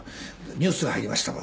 ニュースが入りました。